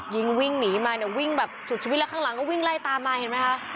ยิงวิ่งหนีมาเนี่ยวิ่งแบบสุดชีวิตแล้วข้างหลังก็วิ่งไล่ตามมาเห็นไหมคะ